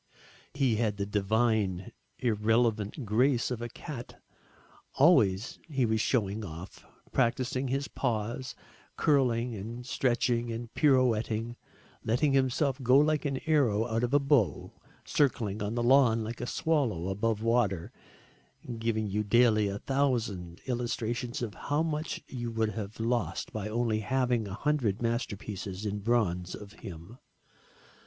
He had the divine irrelevant grace of a cat. Always he was showing off, practising his paws, curling and stretching and pirouetting, letting himself go like an arrow out of a bow, circling on the lawn like a swallow above water, giving you daily a thousand illustrations of how much you would have lost by only having 100 masterpieces in bronze of him.